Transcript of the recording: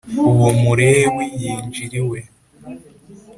uwo mulewi yinjira iwe